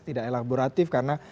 tidak elaboratif karena